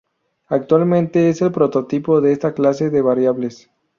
Actualmente es el prototipo de esta clase de variables.